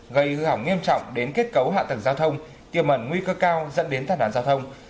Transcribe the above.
gây hư hỏng nghiêm trọng đến kết cấu hạ tầng giao thông tiêu mẩn nguy cơ cao dẫn đến tàn đàn giao thông